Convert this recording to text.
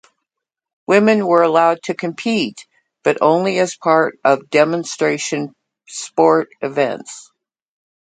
Women were allowed to compete but only as part of demonstration sport events.